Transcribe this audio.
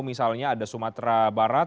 misalnya ada sumatera barat